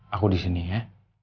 aku disini ya